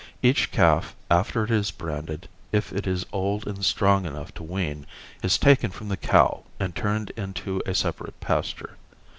Each calf after it is branded, if it is old and strong enough to wean, is taken from the cow and turned into a separate pasture.